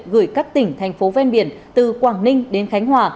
gửi các tỉnh thành phố ven biển từ quảng ninh đến khánh hòa